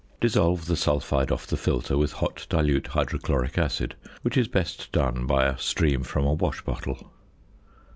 Dissolve the sulphide off the filter with hot dilute hydrochloric acid, which is best done by a stream from a wash bottle.